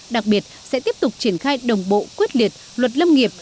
đặc biệt sẽ tiếp tục triển khai đồng bộ quyết liệt luật lâm nghiệp